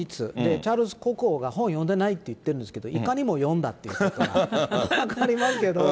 チャールズ国王が本読んでないって言ってるんですけど、いかにも読んだということが分かりますけど。